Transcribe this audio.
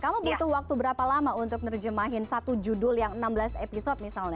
kamu butuh waktu berapa lama untuk menerjemahin satu judul yang enam belas episode misalnya